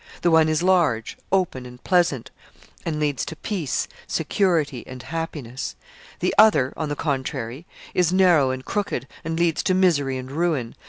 The one is large, open and pleasant, and leads to peace, security, and happiness; the other, on the contrary, is narrow and crooked, and leads to misery and ruin.